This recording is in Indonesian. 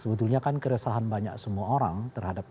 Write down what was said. sebetulnya kan keresahan banyak semua orang terhadap dpr ini